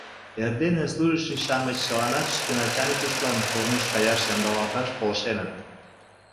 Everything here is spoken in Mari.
Эрдене служащий-шамыч чыланат шке начальникыштлан корныш каяш ямдылалташ полшеныт.